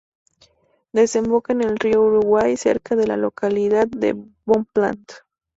Desemboca en el río Uruguay cerca de la localidad de Bonpland.